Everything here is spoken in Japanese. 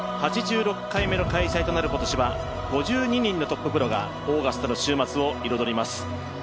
８６回目の開催となる今年は５２人のトッププロがオーガスタの週末を彩ります。